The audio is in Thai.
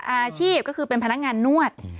อาชีพก็คือเป็นพนักงานนวด